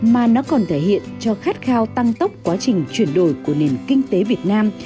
mà nó còn thể hiện cho khát khao tăng tốc quá trình chuyển đổi của nền kinh tế việt nam